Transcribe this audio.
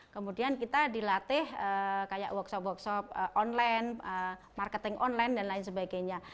kemudian kita dilatih kayak workshop workshop online marketing online dan lain sebagainya